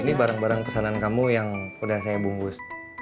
ini barang barang pesanan kamu yang udah saya bungkus